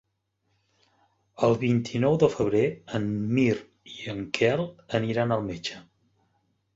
El vint-i-nou de febrer en Mirt i en Quel aniran al metge.